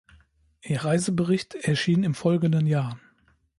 Ihr Reisebericht erschien im folgenden Jahr.